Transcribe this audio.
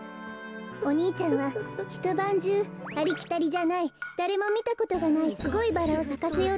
お兄ちゃんはひとばんじゅうありきたりじゃないだれもみたことがないすごいバラをさかせようとしたみたいなの。